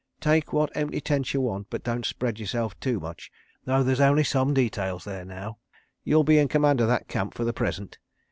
Take what empty tents you want, but don't spread yourself too much—though there's only some details there now. You'll be in command of that camp for the present.